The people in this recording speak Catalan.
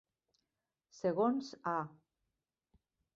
Segons A.